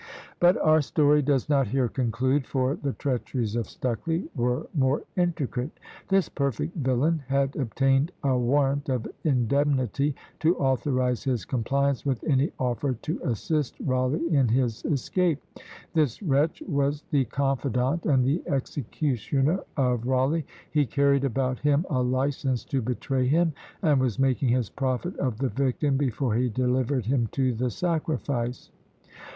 But our story does not here conclude, for the treacheries of Stucley were more intricate. This perfect villain had obtained a warrant of indemnity to authorise his compliance with any offer to assist Rawleigh in his escape; this wretch was the confidant and the executioner of Rawleigh; he carried about him a license to betray him, and was making his profit of the victim before he delivered him to the sacrifice.